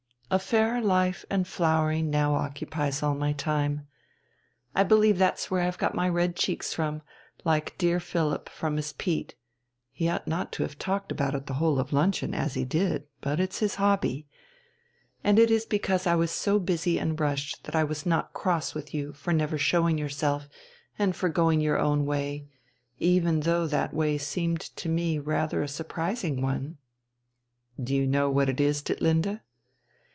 A fairer life and flowering now occupies all my time. I believe that's where I have got my red cheeks from, like dear Philipp from his peat (he ought not to have talked about it the whole of luncheon, as he did; but it's his hobby), and it is because I was so busy and rushed that I was not cross with you for never showing yourself and for going your own way, even though that way seemed to me rather a surprising one." "Do you know what it is, Ditlinde?"